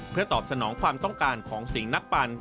เพื่อตอบสนองความต้องการของสิ่งนักปั่น